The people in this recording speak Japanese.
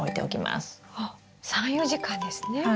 おっ３４時間ですね。